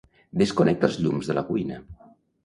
Desconnecta els llums de la cuina.